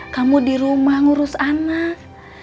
kamu di rumah ngurus anak